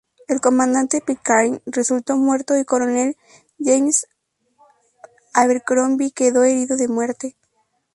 El comandante Pitcairn resultó muerto, y el coronel James Abercrombie quedó herido de muerte.